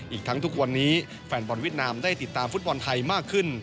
อีกทั้งทุกวันนี้แฟนบอลเวียดนามได้ติดตามฟุตบอลไทยมากขึ้น